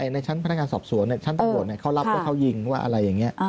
ในชั้นพนักงานสอบสวนชั้นตำรวจเขารับว่าเขายิงว่าอะไรอย่างนี้